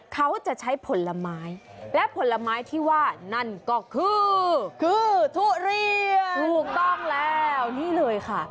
เขาจะใช้ผลไม้และผลไม้ที่ว่านั่นก็คือคือทุเรียนถูกต้องแล้วนี่เลยค่ะ